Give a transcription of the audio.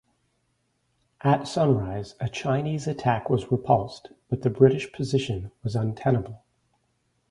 At sunrise a Chinese attack was repulsed, but the British position was untenable.